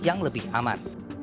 yang lebih aman